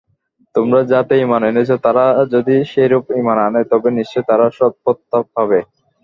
তোমরা যাতে ঈমান এনেছ তারা যদি সেরূপ ঈমান আনে তবে নিশ্চয় তারা সৎপথ পাবে।